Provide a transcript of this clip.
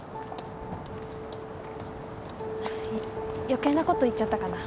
余計なこと言っちゃったかな。